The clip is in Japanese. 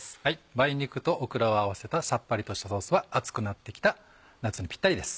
梅肉とオクラを合わせたさっぱりとしたソースは暑くなってきた夏にぴったりです。